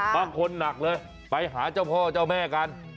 บางคนหนักเลยไปหาเจ้าพ่อเจ้าแม่กัน